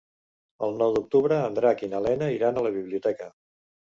El nou d'octubre en Drac i na Lena iran a la biblioteca.